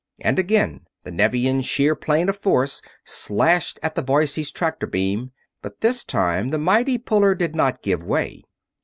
And again the Nevian shear plane of force slashed at the Boise's tractor beam; but this time the mighty puller did not give way.